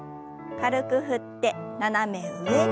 軽く振って斜め上に。